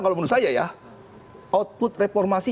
kalau menurut saya ya output reformasi